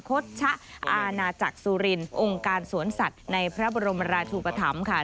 คดชะอาณาจักรสุรินองค์การสวนสัตว์ในพระบรมราชูปธรรมค่ะ